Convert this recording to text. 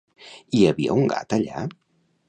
Hi havia un gat allà?